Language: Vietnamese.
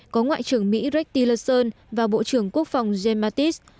có ngoại trưởng mỹ rex tillerson và bộ trưởng quốc phòng jim mattis